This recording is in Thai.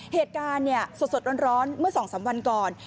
เหตุการณ์สดร้อนเมื่อ๒๓วันก่อน